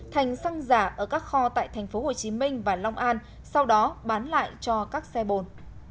thành xăng giả ở các kho tại tp hcm và long an sau đó bán lại cho các xe bồn